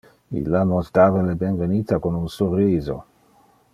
Illa nos dava le benvenita con un surriso.